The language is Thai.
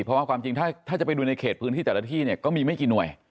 เพราะว่าความจริงถ้าจะไปดูในเขตพื้นที่แต่ละที่เนี่ยก็มีไม่กี่หน่วย